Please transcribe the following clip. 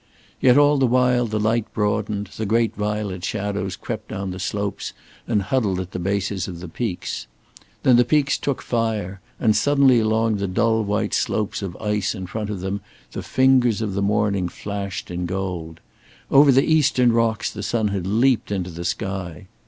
Yet all the while the light broadened, the great violet shadows crept down the slopes and huddled at the bases of the peaks. Then the peaks took fire, and suddenly along the dull white slopes of ice in front of them the fingers of the morning flashed in gold. Over the eastern rocks the sun had leaped into the sky.